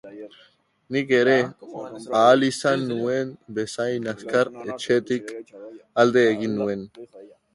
Nik ere, ahal izan nuen bezain azkar, etxetik alde egin nuen.